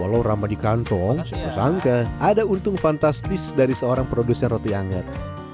walau ramah di kantong siapa sangka ada untung fantastis dari seorang produsen roti anget